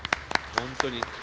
本当に。